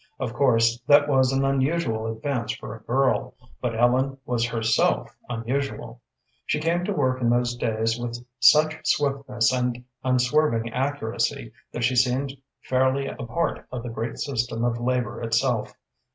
Of course that was an unusual advance for a girl, but Ellen was herself unusual. She came to work in those days with such swiftness and unswerving accuracy that she seemed fairly a part of the great system of labor itself.